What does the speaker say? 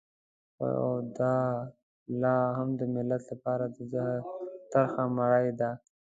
خو دا لا هم د ملت لپاره د زهر ترخه مړۍ ده.